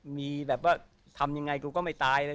มีแบบว่าทำยังไงกูก็ไม่ตายเลย